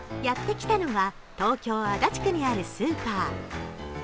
やってきたのは東京・足立区にあるスーパー。